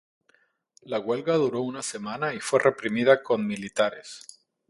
La huelga duró una semana y fue reprimida con militares.